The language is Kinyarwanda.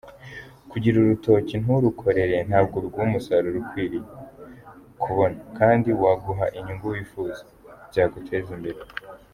Kugira urutoki nturukorere ntabwo biguha umusaruro ukwiriye kubona kandi waguha inyungu wifuza, byaguteza imbere.